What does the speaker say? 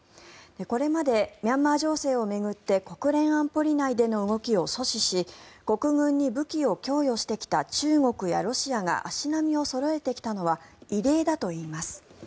これまでミャンマー情勢を巡って国連安保理内での動きを阻止し国軍に武器を供与してきた中国やロシアが足並みをそろえてきたのは異例だといいます。